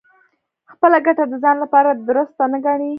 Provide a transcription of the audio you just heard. خپله ګټه د ځان لپاره دُرسته نه ګڼي.